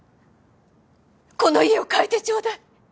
この家を変えてちょうだい。